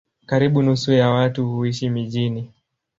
Karibu nusu ya watu huishi mijini.